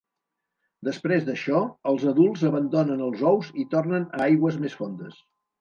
Després d'això, els adults abandonen els ous i tornen a aigües més fondes.